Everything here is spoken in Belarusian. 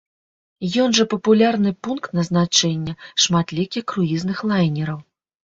Ён жа папулярны пункт назначэння шматлікіх круізных лайнераў.